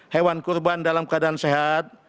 hewan kurban dalam keadaan sehat